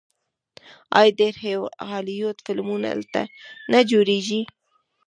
آیا ډیر هالیوډ فلمونه هلته نه جوړیږي؟